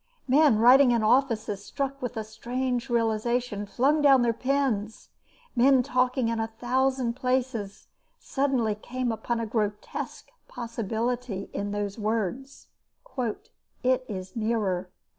Men writing in offices, struck with a strange realisation, flung down their pens, men talking in a thousand places suddenly came upon a grotesque possibility in those words, "It is nearer."